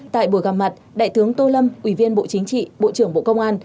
tại buổi gặp mặt đại tướng tô lâm ủy viên bộ chính trị bộ trưởng bộ công an